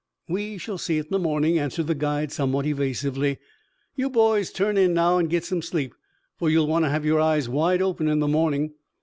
"We shall see it in the morning," answered the guide somewhat evasively. "You boys turn in now, and get some sleep, for you will want to have your eyes wide open in the morning.